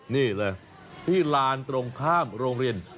นี่เลยที่ลานตรงข้ามโรงเรียน